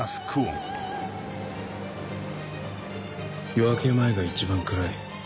夜明け前が一番暗い。